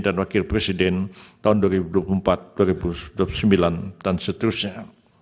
dan wakil presiden tahun dua ribu dua puluh empat dua ribu dua puluh sembilan dan seterusnya